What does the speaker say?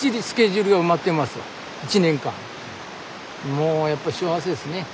もうやっぱ幸せですね。